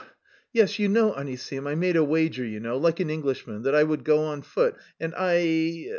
Yes, you know, Anisim, I made a wager, you know, like an Englishman, that I would go on foot and I..."